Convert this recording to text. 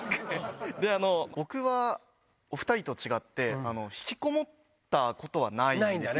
僕はお２人と違って引きこもないんですね。